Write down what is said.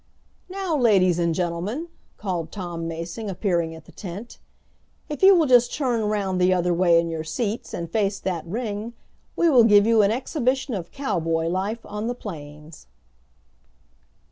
"Now, ladies and gentlemen," called Tom Mason, appearing at the tent, "if you will just turn round the other way in your seats and face that ring we will give you an exhibition of cowboy life on the plains!"